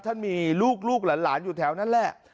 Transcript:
ท่านมีลูกหลานอยู่แถวนั้นแหละ